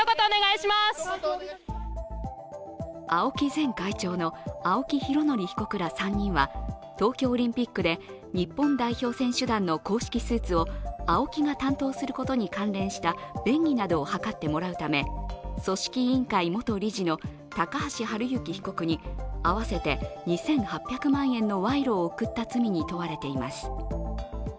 前会長の青木拡憲被告ら３人は、東京オリンピックで日本代表選手団の公式スーツをＡＯＫＩが担当することに関連した便宜などを図ってもらうため組織委員会元理事の高橋治之被告に合わせて２８００万円の賄賂を贈った罪に問われています。